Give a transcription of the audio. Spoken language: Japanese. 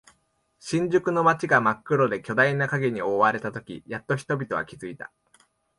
新宿の街が真っ黒で巨大な影に覆われたとき、やっと人々は気づいた。